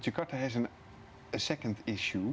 masalah yang terjadi